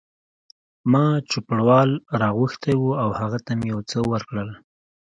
ما چوپړوال را غوښتی و او هغه ته مې یو څه ورکړل.